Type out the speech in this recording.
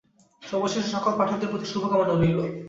সবশেষে সকল পাঠকদের প্রতি শুভকামনা রইলো।